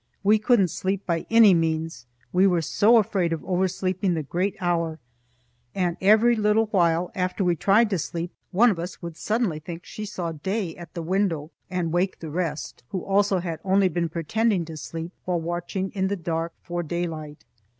We couldn't sleep by any means, we were so afraid of oversleeping the great hour; and every little while, after we tried to sleep, one of us would suddenly think she saw day at the window, and wake the rest, who also had only been pretending to sleep while watching in the dark for daylight.